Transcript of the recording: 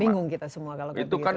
bingung kita semua kalau begitu